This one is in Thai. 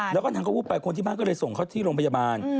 แล้วก็นางก็วูบไปคนที่บ้านก็เลยส่งเขาที่โรงพยาบาล